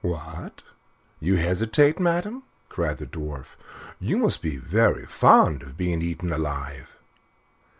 "What! you hesitate, madam," cried the Dwarf. "You must be very fond of being eaten up alive."